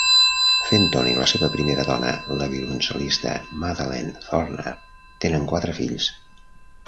Fenton i la seva primera dona, la violoncel·lista Madeline Thorner, tenen quatre fills.